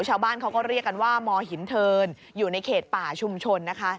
ชาวบ้านเขาก็เรียกกันว่ามหินเทินอยู่ในเขตป่าชุมชนนะคะ